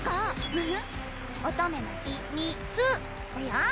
フフッ乙女のひ・み・つだよ！